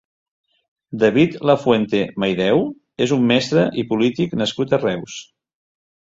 David Lafuente Maideu és un mestre i polític nascut a Reus.